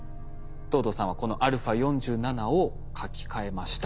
藤堂さんはこのα４７を書き換えました。